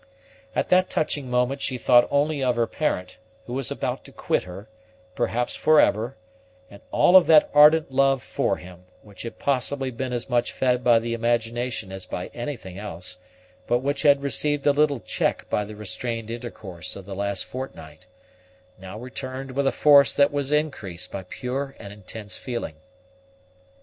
At that touching moment she thought only of her parent, who was about to quit her, perhaps for ever; and all of that ardent love for him, which had possibly been as much fed by the imagination as by anything else, but which had received a little check by the restrained intercourse of the last fortnight, now returned with a force that was increased by pure and intense feeling.